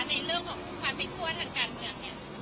ในเรื่องของความพิกษ์ว่าทางการเมืองเนี้ย